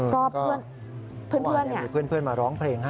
ก็เผื่อนมาร้องเพลงด้วย